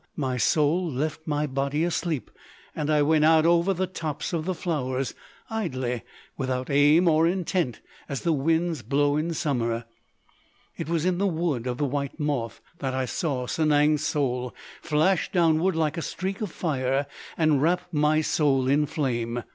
My soul left my body asleep and I went out over the tops of the flowers—idly, without aim or intent—as the winds blow in summer.... It was in the Wood of the White Moth that I saw Sanang's soul flash downward like a streak of fire and wrap my soul in flame!...